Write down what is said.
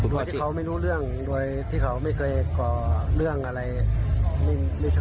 โดยที่เขาไม่รู้เรื่องโดยที่เขาไม่เคยก่อเรื่องอะไร